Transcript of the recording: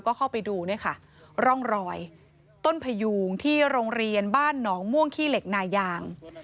ก็เข้าไปดูเนี่ยค่ะร่องรอยต้นพยูงที่โรงเรียนบ้านหนองม่วงขี้เหล็กนายาง